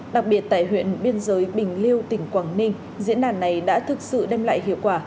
đặc biệt tại huyện biên giới bình liêu tỉnh quảng ninh diễn đàn này đã thực sự đem lại hiệu quả